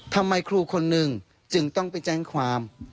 ทำไมครูคนหนึ่งจึงต้องไปแจ้งความ